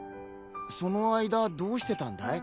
その間どうしてたんだい？